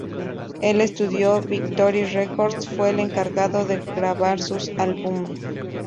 El estudio Victory Records fue el encargado de grabar sus álbumes.